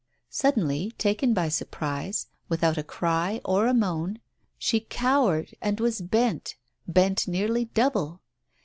... Suddenly, taken by surprise, without a cry or a moan, she cowered and was bent, bent nearly double.